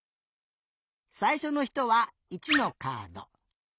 さいしょのひとは１のカード。